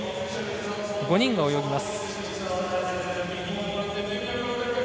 ５人が泳ぎます。